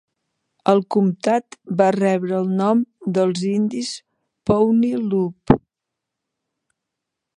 El comtat va rebre el nom dels indis Pawnee Loup.